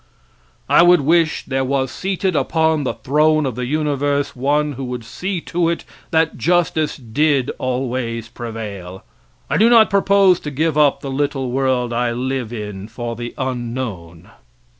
I would wish there was seated upon the throne of the universe one who would see to it that justice did always prevail. I do not propose to give up the little world I live in for the unknown.